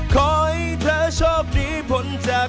กละเครียดใจ